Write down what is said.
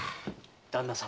・旦那様。